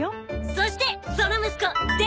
そしてその息子出理